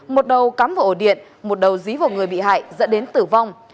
một đầu cắm vào ổ điện một đầu dí vào người bị hại dẫn đến tử vong